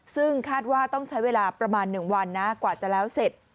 ซึ่งคาดว่าต้องใช้เวลาประมาณ๑วันนะกว่าจะแล้วเสร็จ